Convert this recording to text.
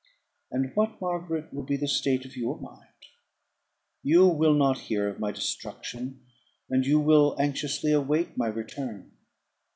And what, Margaret, will be the state of your mind? You will not hear of my destruction, and you will anxiously await my return.